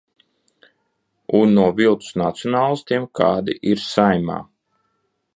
Un no viltus nacionālistiem, kādi ir Saeimā!